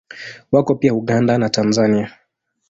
Wako pia Uganda na Tanzania.